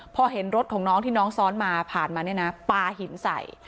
พอเห็นรถของน้องที่น้องซ้อนมาผ่านมาเนี่ยนะปลาหินใส่